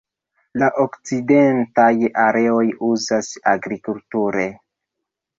La okcidentaj areoj uzatas agrikulture.